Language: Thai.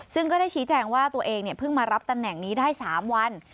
ซึ่งก็ได้ชี้แจงว่าตัวเองเพิ่งมารับตำแหน่งนี้ได้๓วัน